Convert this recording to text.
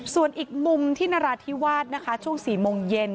ส่วนอีกมุมที่นราธิวาสนะคะช่วง๔โมงเย็น